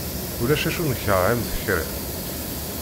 Ulac acu nekreh am tekriṭ.